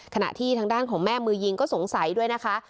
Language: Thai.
ขณะที่ทางด้านของแม่มือยิงก็สงสัยด้วยนะคะ